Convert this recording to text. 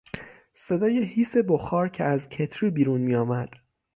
صدای هیس بخار که از کتری بیرون میآمد